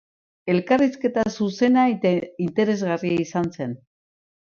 Elkarrizketa zuzena eta interesgarria izan zen.